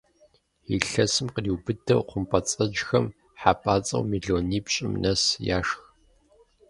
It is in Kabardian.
Илъэсым къриубыдэу хъумпӏэцӏэджхэм хьэпӀацӀэу мелуанипщӏым нэс яшх.